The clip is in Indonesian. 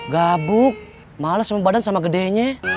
gabuk malas sama badan sama gedenya